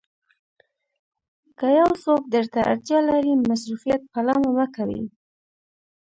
که یو څوک درته اړتیا لري مصروفیت پلمه مه کوئ.